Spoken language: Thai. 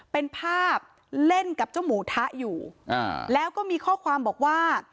เป็นภาพเล่นกับเจ้าหมูทะอยู่อ่าแล้วก็มีข้อความบอกว่า